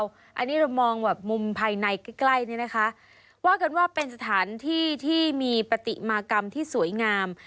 อันนี้เรามองแบบมุมภายในใกล้นี่นะคะว่ากันว่าเป็นสถานที่ที่มีปฏิมากรรมที่สวยงาม